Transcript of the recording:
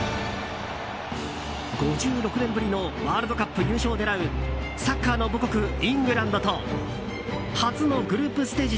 ５６年ぶりのワールドカップ優勝を狙うサッカーの母国、イングランドと初のグループステージ